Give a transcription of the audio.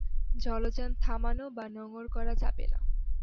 জলযান থামানো বা নোঙর করা যাবে না।